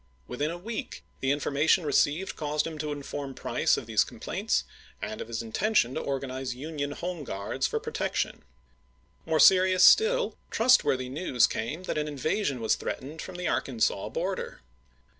Within a week the in ^price,*° formation received caused him to inform Price of w'R^.^'voi: these complaints, and of his intention to organize ■'380.' '' Union Home Guards for protection. More serious still, trustworthy news came that an invasion was threatened from the Arkansas border.